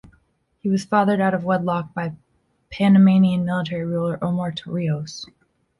He was fathered out of wedlock by Panamanian military ruler Omar Torrijos.